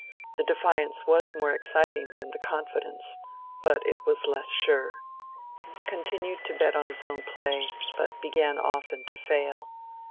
The defiance was more exciting than the confidence, but it was less sure. He continued to bet on his own play, but began often to fail.